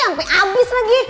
sampai habis lagi